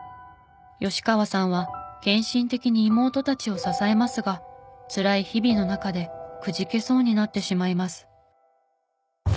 吉川さんは献身的に妹たちを支えますがつらい日々の中でくじけそうになってしまいます。